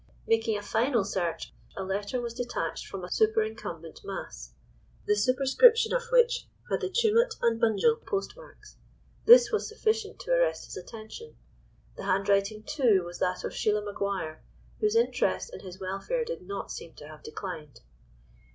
Making a final search, a letter was detached from a superincumbent mass, the superscription of which had the Tumut and Bunjil postmarks. This was sufficient to arrest his attention. The handwriting, too, was that of Sheila Maguire, whose interest in his welfare did not seem to have declined.